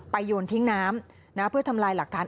โยนทิ้งน้ำเพื่อทำลายหลักฐาน